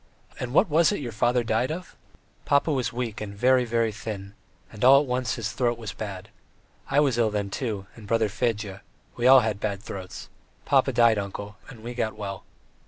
"And what was it your father died of?" "Papa was weak and very, very thin, and all at once his throat was bad. I was ill then, too, and brother Fedya; we all had bad throats. Papa died, uncle, and we got well."